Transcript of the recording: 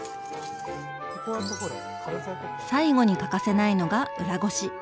最後に欠かせないのが裏ごし。